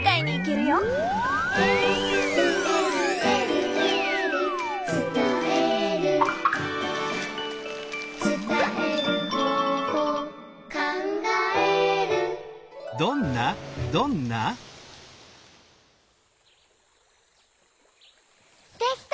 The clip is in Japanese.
「えるえるえるえる」「つたえる」「つたえる方法」「かんがえる」できた！